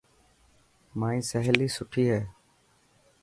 مائي سهيلي سٺي هي.